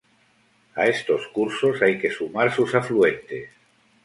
A estos cursos hay que sumar sus afluentes.